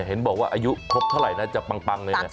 เห็นบอกว่าอายุครบเท่าไหร่นะจะปังเลยนะ